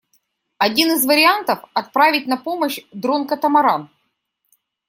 Один из вариантов — отправить на помощь дрон-катамаран.